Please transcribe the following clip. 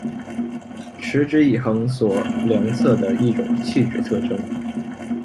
持之以恒所量测的一种气质特征。